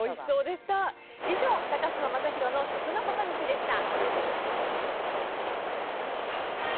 以上、高嶋政宏の食の細道でした。